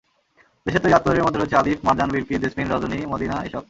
দেশের তৈরি আতরের মধ্যে রয়েছে আলিফ, মারজান, বিলকিস, জেসমিন, রজনী, মদিনা—এসব।